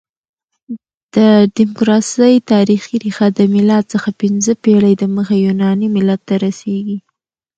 د ډیموکراسۍ تاریخي ریښه د مېلاد څخه پنځه پېړۍ دمخه يوناني ملت ته رسیږي.